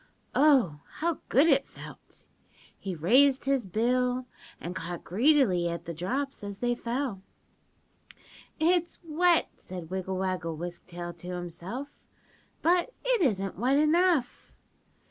"Oh, how good it felt. He raised his bill and caught greedily at the drops as they fell. "'It's wet', said Wiggle Waggle Wisk Tail to himself, 'but it isn't wet enough.